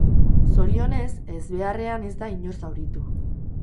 Zorionez, ezbeharrean ez da inor zauritu.